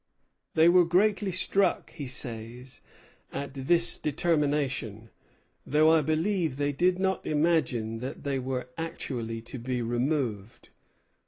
"They were greatly struck," he says, "at this determination, though I believe they did not imagine that they were actually to be removed."